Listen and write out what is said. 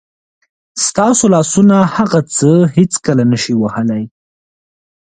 ستاسو لاسونه هغه څه هېڅکله نه شي وهلی.